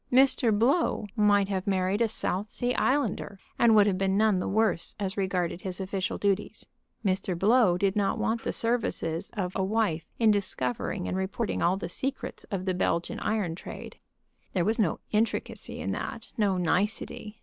Mr. Blow might have married a South Sea Islander, and would have been none the worse as regarded his official duties. Mr. Blow did not want the services of a wife in discovering and reporting all the secrets of the Belgium iron trade. There was no intricacy in that, no nicety.